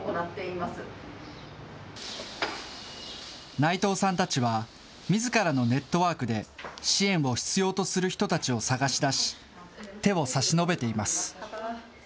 内藤さんたちは、みずからのネットワークで、支援を必要とする人たちを探し出し、手を差し伸べています。